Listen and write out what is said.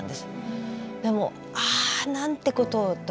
でもうああなんてことを！と。